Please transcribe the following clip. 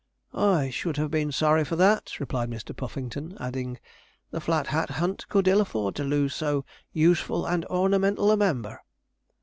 'I should have been sorry for that,' replied Mr. Puffington, adding, 'the Flat Hat Hunt could ill afford to lose so useful and ornamental a member.'